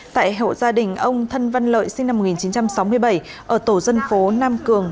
tại hậu gia đình ông thân văn lợi sinh năm một nghìn chín trăm sáu mươi bảy ở tổ dân phố nam cường